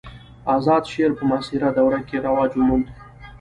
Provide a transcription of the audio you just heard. آزاد شعر په معاصره دوره کښي رواج وموند.